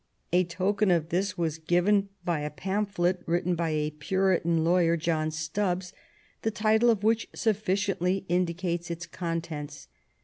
A token of this was given by a pamphlet written by a Puritan lawyer, John Stubbs, the title of which sufficiently indicates its contents.